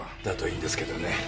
だといいんですけどね。